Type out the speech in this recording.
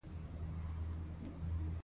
د پیرودونکي قناعت د برکت دروازه ده.